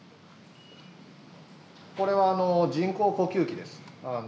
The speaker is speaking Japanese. これは人工呼吸器です。